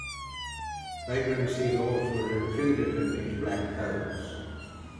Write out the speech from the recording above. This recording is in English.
Vagrancy laws were included in these Black Codes.